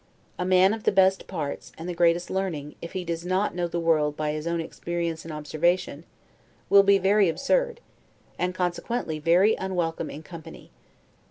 A man of the best parts, and the greatest learning, if he does not know the world by his own experience and observation, will be very absurd; and consequently very unwelcome in company.